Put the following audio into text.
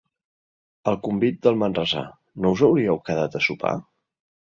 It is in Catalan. El convit del manresà: No us hauríeu quedat a sopar?